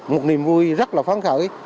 một niềm vui rất là phán khởi